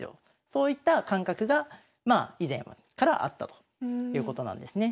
そういった感覚がまあ以前からあったということなんですね。